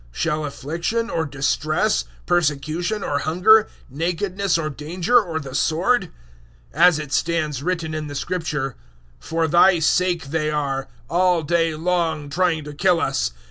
Shall affliction or distress, persecution or hunger, nakedness or danger or the sword? 008:036 As it stands written in the Scripture, "For Thy sake they are, all day long, trying to kill us.